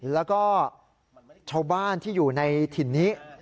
แล้วก็ชาวบ้านที่อยู่ในถิ่นนี้